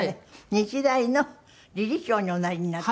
日大の理事長におなりになった。